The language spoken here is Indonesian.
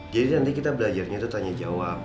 jadi nanti kita belajarnya tuh tanya jawab